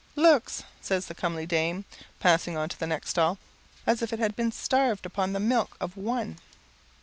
"Looks," says the comely dame, passing on to the next stall, "as if it had been starved upon the milk of one."